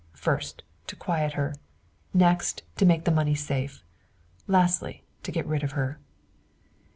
First, to quiet her; next, to make the money safe; lastly, to get rid of her."